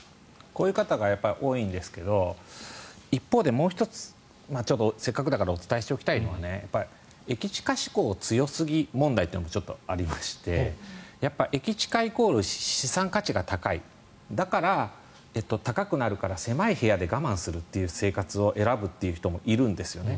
こういう方がやはり多いんですが一方でせっかくだからお伝えしておきたいのが駅近志向強すぎ問題というのがありまして駅近イコール資産価値が高いだから高くなるから狭い部屋で我慢するという生活を選ぶという人もいるんですよね。